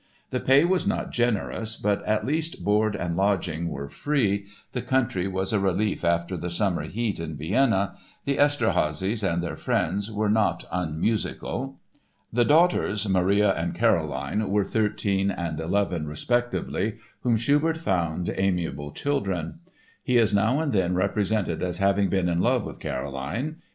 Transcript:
The pay was not generous but at least board and lodging were free, the country was a relief after the summer heat in Vienna, the Esterházys and their friends were not unmusical. The daughters, Maria and Caroline, were thirteen and eleven, respectively, whom Schubert found "amiable children." He is now and then represented as having been in love with Caroline.